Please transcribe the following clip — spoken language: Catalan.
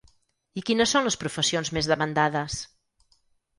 I quines són les professions més demandades?